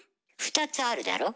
２つあるだろ？